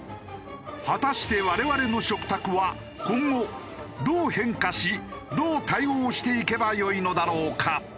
果たして我々の食卓は今後どう変化しどう対応していけばよいのだろうか？